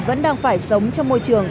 vẫn đang phải sống trong môi trường